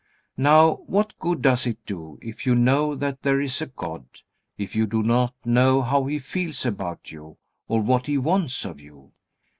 Now, what good does it do you if you know that there is a God, if you do not know how He feels about you, or what He wants of you?